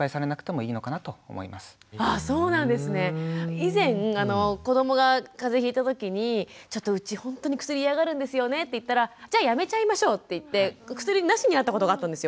以前子どもがかぜひいた時にちょっとうちほんとに薬嫌がるんですよねって言ったらじゃあやめちゃいましょうって言って薬なしになったことがあったんですよ。